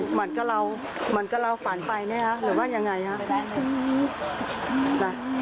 เหมือนกับเราเหมือนกับเราฝันไปไหมคะหรือว่ายังไงฮะ